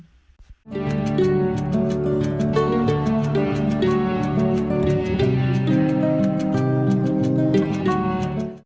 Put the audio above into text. hãy đăng ký kênh để ủng hộ kênh của mình nhé